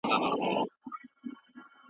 د نورو لیکوالانو د کارونو نقل مه کوئ.